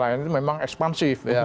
mas kapelang itu memang ekspansif ya